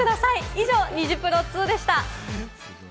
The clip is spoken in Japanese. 以上、ニジプロ２でした。